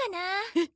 えっ！？